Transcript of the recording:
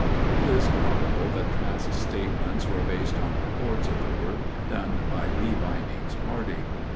It is probable that Trask's statements were based on reports of the work done by Lee Vining's party.